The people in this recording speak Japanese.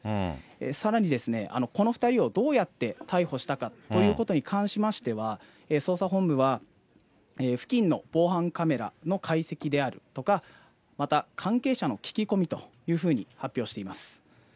さらにですね、この２人をどうやって逮捕したかということに関しましては、捜査本部は付近の防犯カメラの解析であるとか、また、関係者の聞き込みというふうに発表しています。